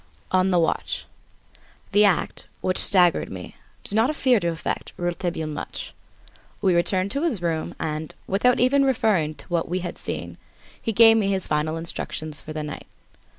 On the Watch The act, which staggered me, did not appear to affect Rouletabille much. We returned to his room and, without even referring to what we had seen, he gave me his final instructions for the night.